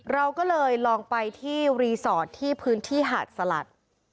เราก็เลยลองไปที่รีสอร์ทที่พื้นที่หาดสลัด